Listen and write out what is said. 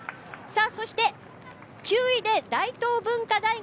そして９位で大東文化大学。